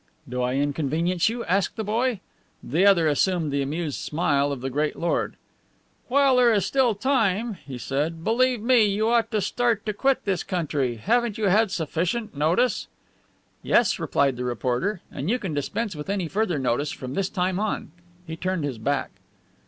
"Do I inconvenience you?" asked the boy. The other assumed the amused smile of the great lord. "While there is still time," he said, "believe me, you ought to start, to quit this country. Haven't you had sufficient notice?" "Yes," replied the reporter. "And you can dispense with any further notice from this time on." He turned his back.